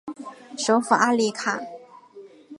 首府阿里卡。